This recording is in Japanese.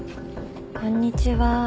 こんにちは。